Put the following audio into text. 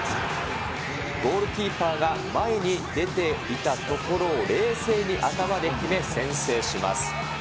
ゴールキーパーが前に出ていたところを冷静に頭で決め先制します。